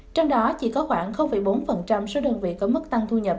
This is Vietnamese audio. trong đó chỉ có khoảng bốn số đơn vị có mức tăng thu nhập